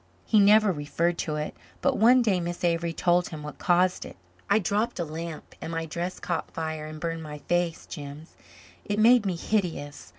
He never referred to it, but one day Miss Avery told him what caused it. "I dropped a lamp and my dress caught fire and burned my face, Jims. It made me hideous.